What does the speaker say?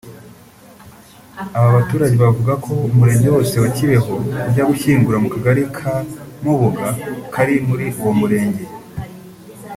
Aba baturage bavuga ko umurenge wose wa Kibeho ujya gushyingura mu Kagari ka Mubuga kari muri uwo murenge